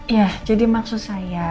ya jadi maksud saya